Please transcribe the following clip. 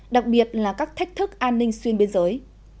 đặc biệt là các thách thức an ninh xuyên biên giới